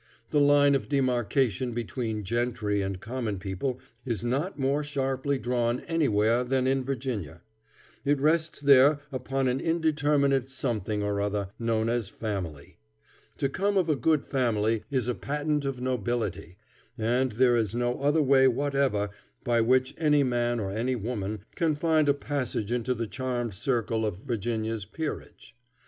The line of demarkation between gentry and common people is not more sharply drawn anywhere than in Virginia. It rests there upon an indeterminate something or other, known as family. To come of a good family is a patent of nobility, and there is no other way whatever by which any man or any woman can find a passage into the charmed circle of Virginia's peerage.